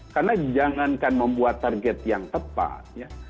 karena jangankan membuat target yang tepat